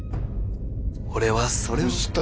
俺はそれをした。